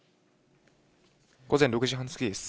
午前６時半過ぎです。